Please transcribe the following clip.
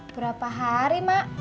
berapa hari mak